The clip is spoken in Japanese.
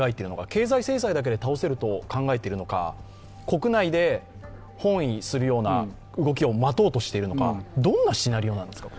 経済制裁だけで倒せると考えているのか、国内で翻意する動きを待とうとしているのかどんなシナリオなんですか？